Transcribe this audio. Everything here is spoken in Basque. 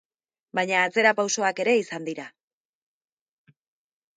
Baina atzerapausoak ere izan dira.